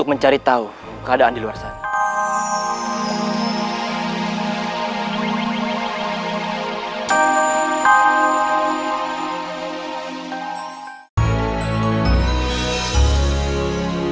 mencari tahu keadaan di luar sana